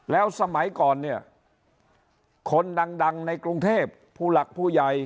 แล้วสมัยก่อนเนี่ยคนดังในกรุงเทพผู้หลักผู้ใหญ่